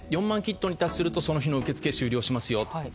４万キットに達すると、その日の受け付け、終了しますよ。